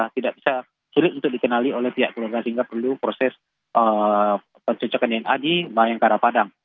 tidak bisa sulit untuk dikenali oleh pihak keluarga sehingga perlu proses pencocokan dna di bayangkara padang